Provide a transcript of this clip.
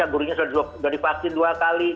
gurunya sudah divaksin dua kali